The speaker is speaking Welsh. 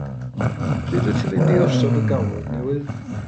Pryd wyt ti'n mynd i osod y gawod newydd?